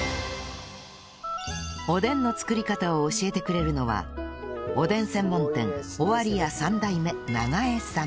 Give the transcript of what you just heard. おでんの作り方を教えてくれるのはおでん専門店尾張家３代目長江さん